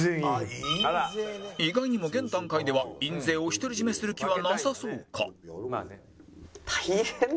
意外にも現段階では印税を独り占めする気はなさそうか？